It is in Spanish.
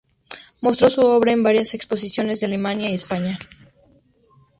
Mostró su obra en varias exposiciones en Alemania y España.